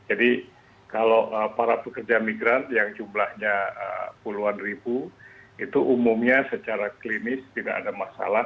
jadi kalau para pekerja migran yang jumlahnya puluhan ribu itu umumnya secara klinis tidak ada masalah